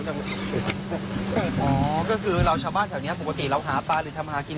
ก็คือเราชาวบ้านแถวนี้ปกติเราหาปลาหรือทำหากิน